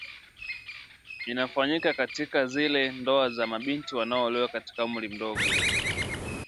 inafanyika katika zile ndoa za mabinti wanaoolewa katika umri mdogo